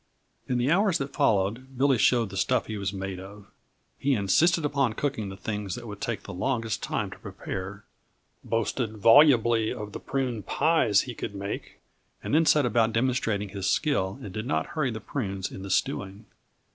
In the hours that followed, Billy showed the stuff he was made of. He insisted upon cooking the things that would take the longest time to prepare; boasted volubly of the prune pies he could make, and then set about demonstrating his skill and did not hurry the prunes in the stewing.